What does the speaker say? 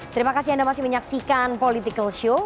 terima kasih anda masih menyaksikan politikalshow